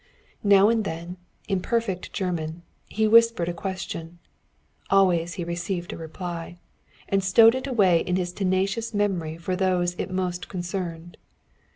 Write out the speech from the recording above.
Now and then, in perfect German, he whispered a question. Always he received a reply. And stowed it away in his tenacious memory for those it most concerned.